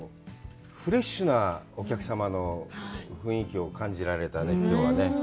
フレッシュなお客様の雰囲気を感じられたね、きょうはね。